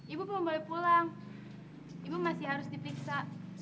ibu belum balik pulang ibu masih harus dipiksa